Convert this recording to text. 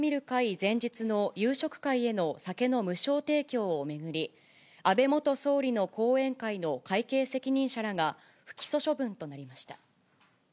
前日の夕食会への酒の無償提供を巡り、安倍元総理の後援会の会計責任者らが不起訴処分となりました。